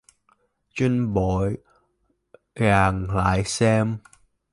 Trinh bội vàng lại xem